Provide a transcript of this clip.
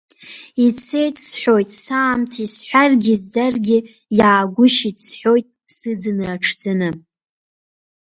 Ицеит, – сҳәоит, саамҭа, исҳәаргьы изӡаргьы, иаагәышьеит, – сҳәоит, сыӡынра аҽӡаны.